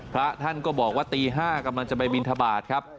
พระท่านก็บอกว่าตี๕กำลังจะไปบินทบาทครับ